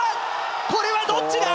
これはどっちだ？